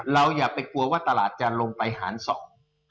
เราอย่าไปกลัวว่าตลาดจะลงไป๒หลัง๑